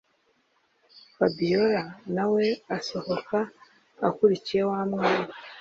fabiora nawe asohoka akurikiye wamwana